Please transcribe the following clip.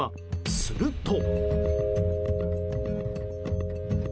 すると。